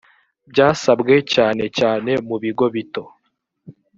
byasabwe cyane cyane mu bigo bito